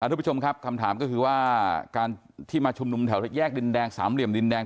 รู้เพื่อนชมครับคำถามก็คือว่าการที่มาชุมนุมแถวแดดแยกดินแดงสามล่วมดินแดง